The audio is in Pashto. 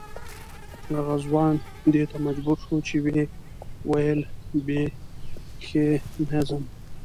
هغه ځوان دې ته مجبور شو چې ویې ویل بې خي نه ځم.